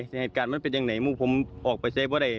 ในเหตุการณ์มันเป็นอย่างไหนมึงผมออกไปใช้เพราะอะไร